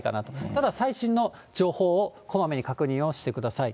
ただ、最新の情報をこまめに確認をしてください。